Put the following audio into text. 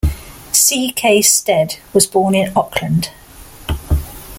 C. K. Stead was born in Auckland.